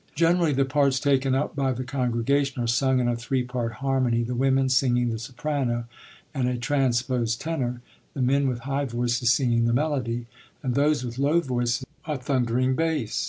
Generally the parts taken up by the congregation are sung in a three part harmony, the women singing the soprano and a transposed tenor, the men with high voices singing the melody, and those with low voices a thundering bass.